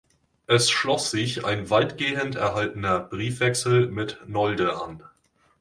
Es schloss sich ein weitgehend erhaltener Briefwechsel mit Nolde an.